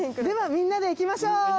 ではみんなで行きましょう。